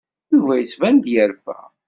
Yuba yettban-d yerfa.